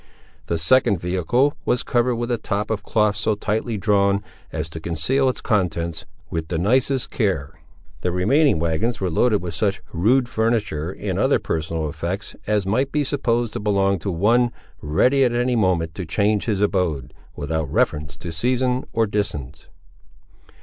The second vehicle was covered with a top of cloth so tightly drawn, as to conceal its contents, with the nicest care. The remaining wagons were loaded with such rude furniture and other personal effects, as might be supposed to belong to one, ready at any moment to change his abode, without reference to season or distance.